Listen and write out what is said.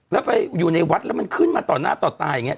แล้วไปอยู่ในวัดแล้วมันขึ้นมาต่อหน้าต่อตาอย่างนี้